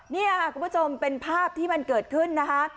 นี่ค่ะคุณผู้ชมเป็นภาพที่มันเกิดขึ้นนะคะ